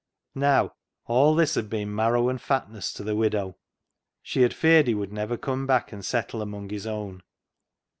Now, all this had been marrow and fatness to the widow. She had feared he would never come back and settle among his own.